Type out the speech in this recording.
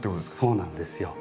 そうなんですよ。